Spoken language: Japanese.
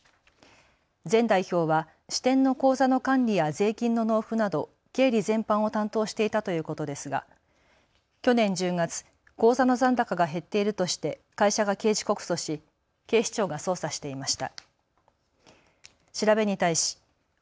前代表は支店の口座の管理や税金の納付など経理全般を担当していたということですが去年１０月、口座の残高が減っているとして会社が刑事告訴し警視庁が捜査していました。